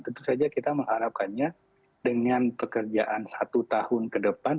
tentu saja kita mengharapkannya dengan pekerjaan satu tahun ke depan